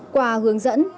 qua hướng dẫn